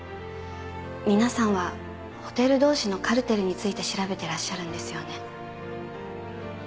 皆さんはホテル同士のカルテルについて調べてらっしゃるんですよね。